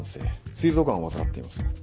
膵臓がんを患っています。